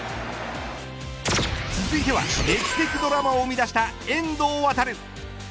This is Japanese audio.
続いては劇的ドラマを生み出した遠藤航。